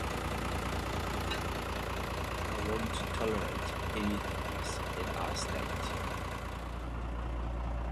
I won't tolerate anything less in our state.